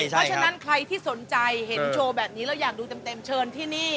เพราะฉะนั้นใครที่สนใจเห็นโชว์แบบนี้แล้วอยากดูเต็มเชิญที่นี่